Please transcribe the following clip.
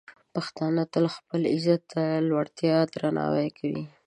پښتانه تل خپل عزت ته د لوړتیا درناوی کوي.